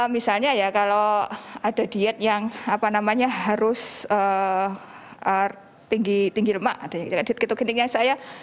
misalnya ya kalau ada diet yang apa namanya harus tinggi lemak diet ketuk ginding yang saya